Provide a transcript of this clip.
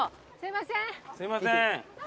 すいません。